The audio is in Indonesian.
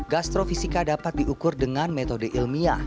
gastro fisika dapat diukur dengan metode ilmiah